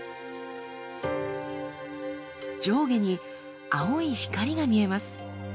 上下に青い光が見えます。